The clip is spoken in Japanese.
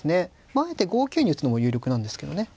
あえて５九に打つのも有力なんですけどね。